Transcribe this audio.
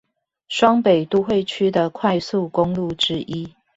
雙北都會區的快速公路之一